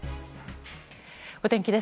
お天気です。